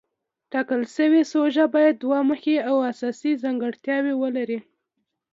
ټاکل شوې سوژه باید دوه مهمې او اساسي ځانګړتیاوې ولري.